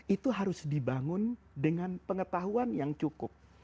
itu harus dibangun dengan pengetahuan yang cukup